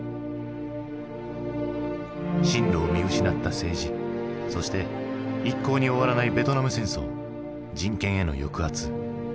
針路を見失った政治そして一向に終わらないベトナム戦争人権への抑圧。